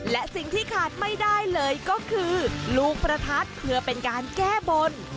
และสิ่งที่ขาดไม่ได้เลยก็คือลูกประทัดเพื่อเป็นการแก้บน